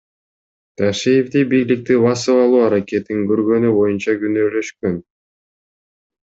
Ташиевди бийликти басып алуу аракетин көргөнү боюнча күнөөлөшкөн.